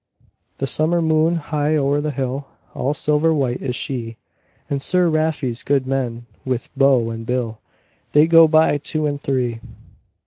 The summer moon high o'er the hill, All silver white is she, And Sir Rafe's good men with bow and bill, They go by two and three.